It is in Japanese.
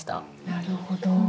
なるほど。